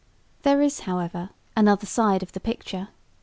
There is, however, another side of the picture.